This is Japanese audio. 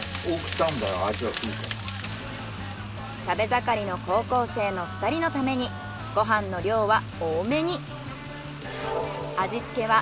食べ盛りの高校生の２人のためにご飯の量は多めに。